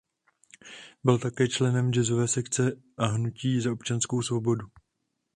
Byl také členem Jazzové sekce a Hnutí za občanskou svobodu.